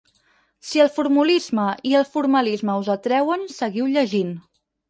Si el formulisme i el formalisme us atreuen, seguiu llegint.